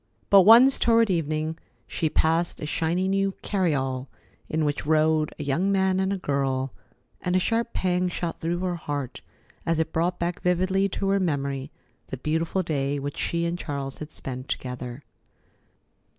But once, toward evening, she passed a shiny new carryall in which rode a young man and a girl, and a sharp pang shot through her heart as it brought back vividly to her memory the beautiful day which she and Charles had spent together.